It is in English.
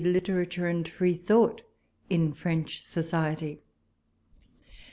LITERATURE, ASD FREE THOUGHT IX FREXCH SOCIETY.